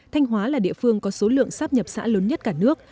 thanh hóa là địa phương có số lượng sáp nhập xã lớn nhất cả nước